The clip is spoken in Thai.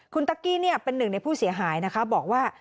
คุณตั๊กกี้เป็นหนึ่งในผู้เสียหายนะคะบอกว่า